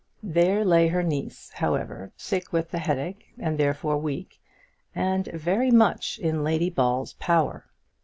There lay her niece, however, sick with the headache, and therefore weak, and very much in Lady Ball's power.